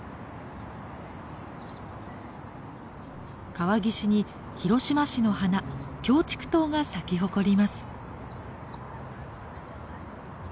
川岸に広島市の花キョウチクトウが咲き誇ります。